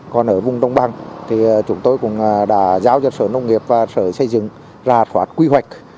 còn ở vùng đông bằng thì chúng tôi cũng đã giao cho sở nông nghiệp và sở xây dựng ra soát quy hoạch